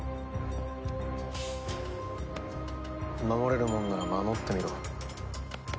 守れるもんなら守ってみろ。